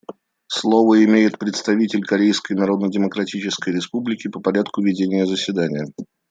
Слово имеет представитель Корейской Народно-Демократической Республики по порядку ведения заседания.